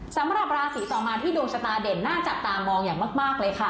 สำหรับราศีต่อมาที่ดวงชะตาเด่นน่าจับตามองอย่างมากเลยค่ะ